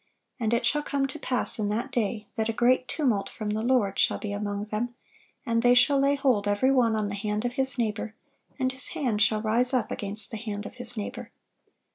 And it shall come to pass in that day, that a great tumult from the Lord shall be among them; and they shall lay hold every one on the hand of his neighbor, and his hand shall rise up against the hand of his neighbor."